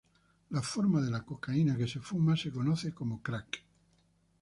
La forma de la cocaína que se fuma se conoce como crack.